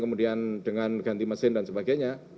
kemudian dengan ganti mesin dan sebagainya